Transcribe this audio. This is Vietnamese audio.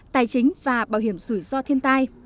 tài chính và bảo hiểm rủi ro thiên tai